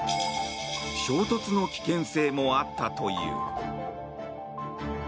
衝突の危険性もあったという。